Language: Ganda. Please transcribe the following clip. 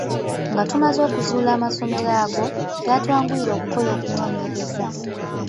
Nga tumaze okuzuula amasomero ago, kyatwanguyira okukola okunoonyereza.